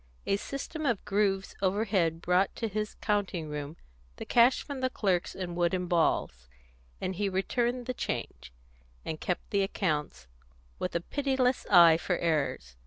A system of grooves overhead brought to his counting room the cash from the clerks in wooden balls, and he returned the change, and kept the accounts, with a pitiless eye for errors.